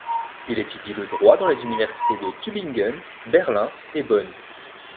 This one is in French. Il étudie le droit dans les universités de Tübingen, Berlin et Bonn.